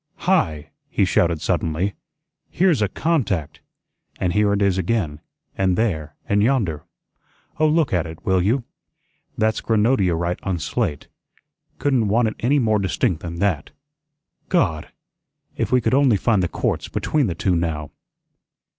"Hi!" he shouted suddenly, "HERE'S A 'CONTACT,' and here it is again, and there, and yonder. Oh, look at it, will you? That's granodiorite on slate. Couldn't want it any more distinct than that. GOD! if we could only find the quartz between the two now."